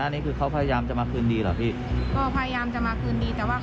เมื่อกี้มาจากไหน